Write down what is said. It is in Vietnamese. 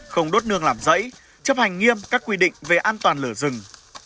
không đốt nương làm rẫy chấp hành nghiêm các quy định về an toàn lửa rừng